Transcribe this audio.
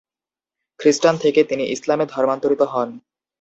খ্রিষ্টান থেকে তিনি ইসলামে ধর্মান্তরিত হন।